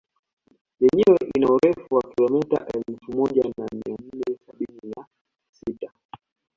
Yenyewe ina urefu wa kilomita elfu moja mia nne sabini na sita